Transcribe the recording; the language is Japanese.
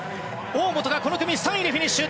大本がこの組３位でフィニッシュ。